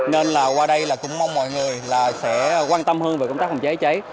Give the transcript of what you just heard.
nên qua đây cũng mong mọi người sẽ quan tâm hơn về công tác phòng cháy cháy